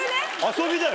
遊びだよ。